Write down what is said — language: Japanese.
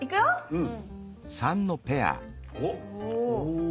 うん。